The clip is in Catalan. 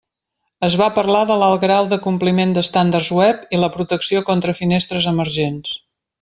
Es va parlar de l'alt grau de compliment d'estàndards web i la protecció contra finestres emergents.